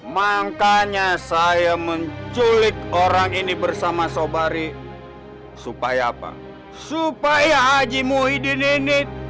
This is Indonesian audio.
makanya saya menculik orang ini bersama saubari supaya apa supaya haji muhyiddin ini